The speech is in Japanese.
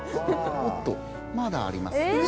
おっとまだあります。